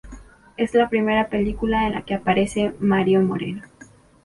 Es la primera película en la que aparece Mario Moreno.